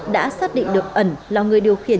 đã xác định được ẩn là người điều khiển